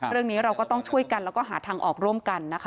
เรื่องนี้เราก็ต้องช่วยกันแล้วก็หาทางออกร่วมกันนะคะ